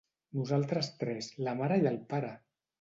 Nosaltres tres, la mare i el pare!